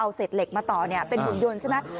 เอาเสร็จเหล็กมาต่อเป็นบุญยนต์ใช่มั้ย